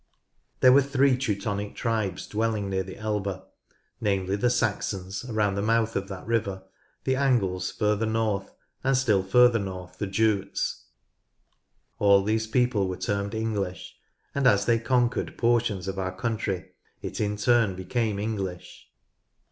There were three Teutonic tribes dwelling near the Elbe, namely the Saxons around the mouth of that river, the Angles further north, and still further north the Jutes. All these people were termed English, and as they conquered portions of our country it in turn became English.